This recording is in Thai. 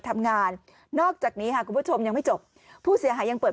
ทำงานนอกจากนี้ค่ะคุณผู้ชมยังไม่จบผู้เสียหายยังเปิด